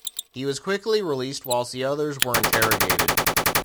He was quickly released whilst the others were interrogated.